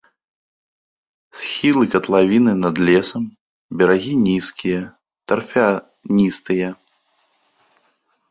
Схілы катлавіны пад лесам, берагі нізкія, тарфяністыя.